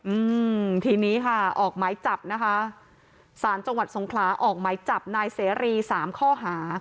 อืมทีนี้ค่ะออกหมายจับนะคะสารจังหวัดสงขลาออกหมายจับนายเสรีสามข้อหา